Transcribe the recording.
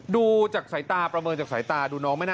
ดูจากสายตาประเมิงจากสายตา